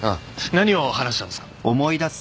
何を話したんですか？